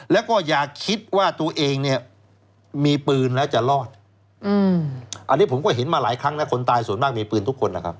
แล้วก็อย่าคิดว่าตัวเองเนี่ยมีปืนแล้วจะรอดอันนี้ผมก็เห็นมาหลายครั้งนะคนตายส่วนมากมีปืนทุกคนนะครับ